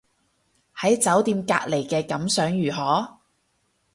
喺酒店隔離嘅感想如何